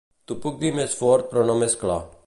T'ho puc dir més fort però no més clar